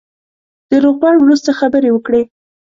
د روغبړ وروسته خبرې وکړې.